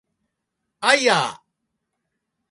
あいあ